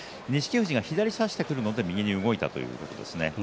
富士が左を差してくるのが見えたので右に動いたということです。